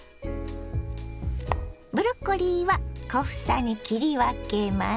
ブロッコリーは小房に切り分けます。